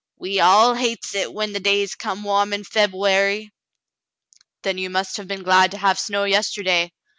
We all hates it when the days come warm in Feb'uary." "Then you must have been glad to have snow yester day.